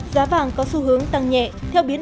giá vàng có xu hướng tăng nhẹ theo biến